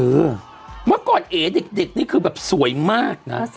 แต่เองเป็นการเอเด็กโรงแรกสวยมาก